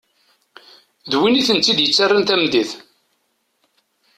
D win i ten-id-ttaren tameddit.